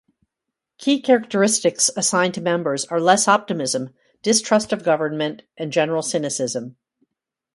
Key characteristics assigned to members are less optimism, distrust of government, and general cynicism.